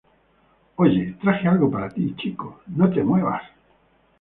Oye, traje algo para ti, chico. ¡ No te muevas!